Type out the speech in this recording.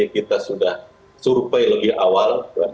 kita sudah survei lebih awal